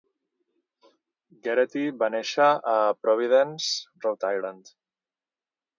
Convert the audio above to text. Gerety va néixer a Providence, Rhode Island.